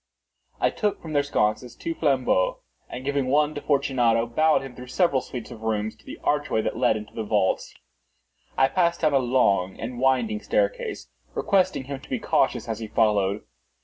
I took from their sconces two flambeaux, and giving one to Fortunato, bowed him through several suites of rooms to the archway that led into the vaults. I passed down a long and winding staircase, requesting him to be cautious as he followed.